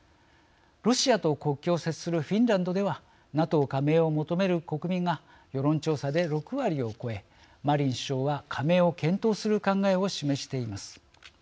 ロシアと国境を接するフィンランドではＮＡＴＯ加盟を求める国民が世論調査で６割を超えマリン首相は加盟を検討する考えを示しています。